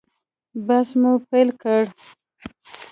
بحث مو پیل کړ.